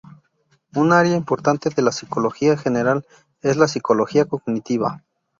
Un área importante de la psicología general es la psicología cognitiva.